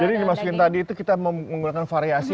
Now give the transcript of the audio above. jadi dimasukin tadi itu kita menggunakan variasi